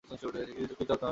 কি, তুমি চাও আমি ঘরে থাকি?